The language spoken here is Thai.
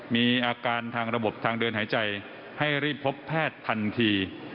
มีอาการทางระบบทางเดินหายใจให้รีบพบแพทย์ทันที